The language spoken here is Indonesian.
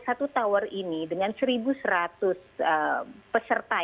kami sudah melakukan pengumuman di rumah